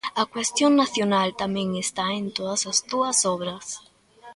A cuestión nacional tamén está en todas as túas obras.